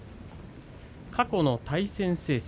過去の対戦成績。